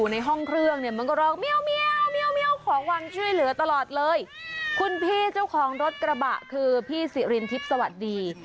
ชื่อเพี่เจ้าของรถกระบะคือเพี่สรีนทิศวัสดี